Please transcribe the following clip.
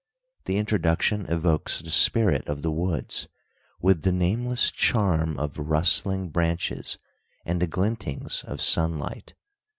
The Introduction evokes the spirit of the woods "with the nameless charm of rustling branches and the glintings of sunlight."